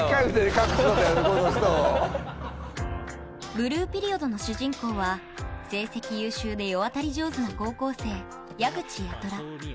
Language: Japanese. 「ブルーピリオド」の主人公は成績優秀で世渡り上手な高校生矢口八虎。